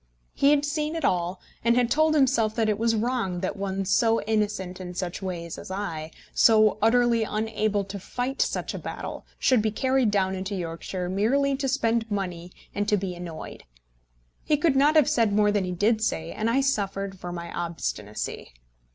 He had seen it all, and had told himself that it was wrong that one so innocent in such ways as I, so utterly unable to fight such a battle, should be carried down into Yorkshire merely to spend money and to be annoyed. He could not have said more than he did say, and I suffered for my obstinacy.